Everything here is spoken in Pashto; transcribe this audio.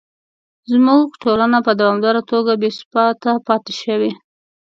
زموږ ټولنه په دوامداره توګه بې ثباته پاتې شوې.